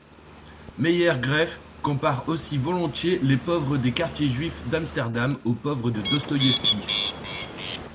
Meier-Graefe compare aussi volontiers les pauvres des quartiers juifs d'Amsterdam aux pauvres de Dostoïesvki.